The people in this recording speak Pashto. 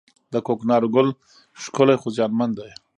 د کوکنارو ګل ښکلی خو زیانمن دی